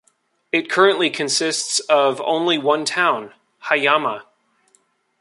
It currently consists of only one town, Hayama.